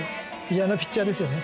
嫌なピッチャーですよね。